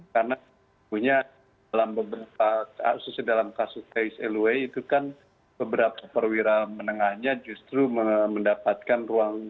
karena sebenarnya dalam beberapa khusus dalam kasus tse lwi itu kan beberapa perwira menengahnya justru mendapatkan ruang